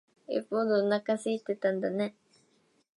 よっぽどおなか空いてたんだね。